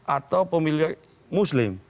atau pemilih muslim